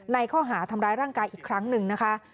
ในข้อหาทำร้ายร่างกายอีกครั้งหนึ่งนะคะ